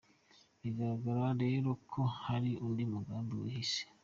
Bigaragara rero ko hari undi mugambi bihishe !